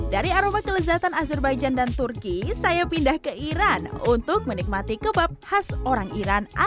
dari aroma kelezatan azerbaijan dan turki saya pindah ke iran untuk menikmati kebab khas orang indonesia